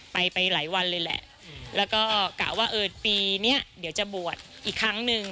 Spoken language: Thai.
ไปไปหลายวันเลยแหละแล้วก็กะว่าเออปีเนี้ยเดี๋ยวจะบวชอีกครั้งหนึ่ง